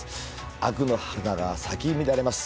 悪の華が咲き乱れます。